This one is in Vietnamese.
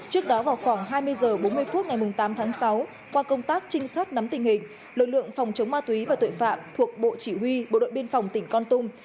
trước đó vào khoảng hai mươi h bốn mươi phút ngày tám tháng sáu qua công tác trinh sát nắm tình hình lực lượng phòng chống ma túy và tội phạm thuộc bộ chỉ huy bộ đội biên phòng tỉnh con tum